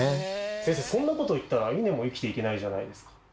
先生そんなこと言ったらイネも生きていけないじゃないですか。